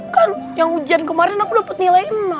kan yang ujian kemarin aku dapat nilaiin malah